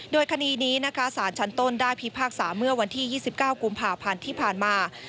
โดยคดีนี้นะคะสารชั้นต้นได้พิพากษาเมื่อวันที่๒๙กุมภาพันธ์ที่ผ่านมา